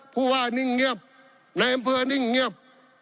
ภูว่านิ่งเงียบนแหมเน่นพื้อนิ่งเงียบ